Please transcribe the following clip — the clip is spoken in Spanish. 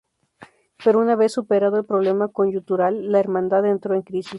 Pero una vez superado el problema coyuntural, la Hermandad entró en crisis.